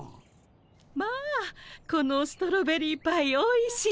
まあこのストロベリーパイおいしい。